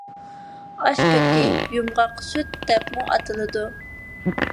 ئاشكۆكى «يۇمغاقسۈت» دەپمۇ ئاتىلىدۇ.